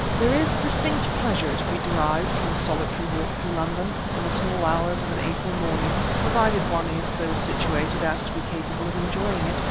There is a distinct pleasure to be derived from a solitary walk through London, in the small hours of an April morning, provided one is so situated as to be capable of enjoying it.